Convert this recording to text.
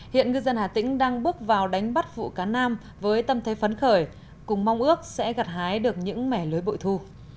hiện ngư dân hà tĩnh đang bước vào đánh bắt vụ cá nam với tâm thế phấn khởi cùng mong ước sẽ gặt hái được những mẻ lưới bội thu